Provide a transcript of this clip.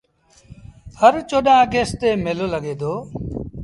هر چوڏهآݩ اگيسٽ تي ميلو لڳي دو۔